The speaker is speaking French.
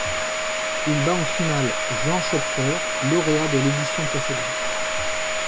Il bat en finale Jean Schopfer, lauréat de l'édition précédente.